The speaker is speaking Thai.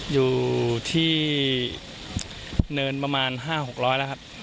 อยู่ที่เนินประมาณห้าหกร้อยแล้วครับ